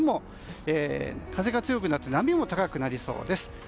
風が強くなって波も高くなりそうです。